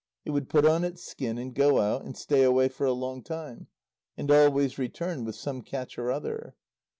It would put on its skin, and go out, and stay away for a long time, and always return with some catch or other.